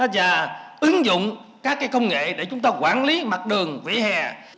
và ứng dụng các công nghệ để chúng ta quản lý mặt đường vỉa hè